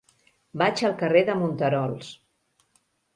Vaig al carrer de Monterols.